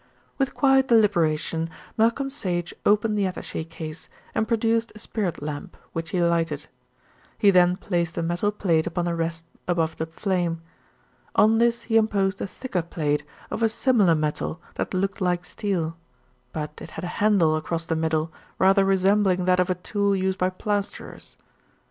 With quiet deliberation Malcolm Sage opened the attaché case and produced a spirit lamp, which he lighted. He then placed a metal plate upon a rest above the flame. On this he imposed a thicker plate of a similar metal that looked like steel; but it had a handle across the middle, rather resembling that of a tool used by plasterers.